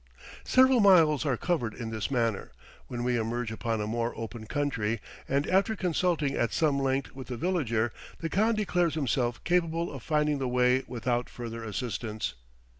Several miles are covered in this manner, when we emerge upon a more open country, and after consulting at some length with the villager, the khan declares himself capable of finding the way without further assistance.